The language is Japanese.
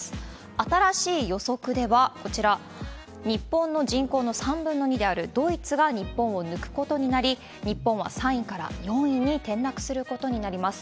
新しい予測ではこちら、日本の人口の３分の２であるドイツが日本を抜くことになり、日本は３位から４位に転落することになります。